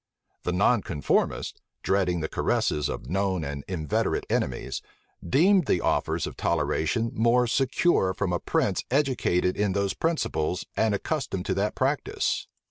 The nonconformists, dreading the caresses of known and inveterate enemies, deemed the offers of toleration more secure from a prince educated in those principles, and accustomed to that practice.